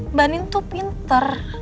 mbak andin tuh pinter